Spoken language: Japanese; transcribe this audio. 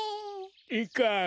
いかん。